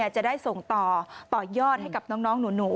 จะได้ส่งต่อต่อยอดให้กับน้องหนู